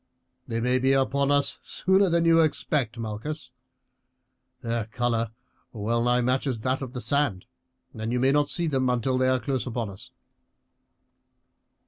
"They may be upon us sooner than you expect, Malchus. Their colour well nigh matches with that of the sand, and you may not see them until they are close upon us."